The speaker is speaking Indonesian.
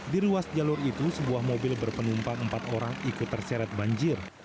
di ruas jalur itu sebuah mobil berpenumpang empat orang ikut terseret banjir